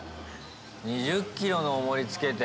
２０ｋｇのおもり、つけて。